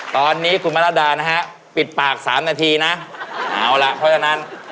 ครับทีนี้คุณมารัดานะฮะปิดปาก๓นาทีนะเอาล่ะเพราะฉะนั้น